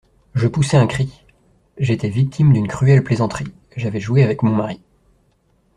Je poussai un cri ! j'étais victime d'une cruelle plaisanterie ; j'avais joué avec mon mari.